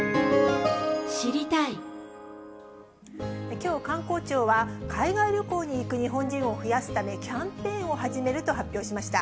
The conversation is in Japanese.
きょう、観光庁は、海外旅行に行く日本人を増やすため、キャンペーンを始めると発表しました。